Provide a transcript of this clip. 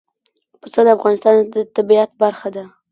پسه د افغانستان د طبیعت برخه ده.